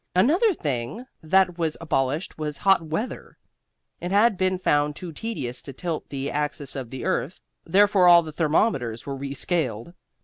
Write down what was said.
Another thing that was abolished was hot weather. It had been found too tedious to tilt the axis of the earth, therefore all the thermometers were re scaled.